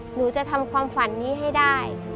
หนูจะทำความฝันนี้ให้ได้